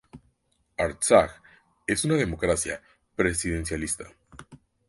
Artsaj es una democracia presidencialista.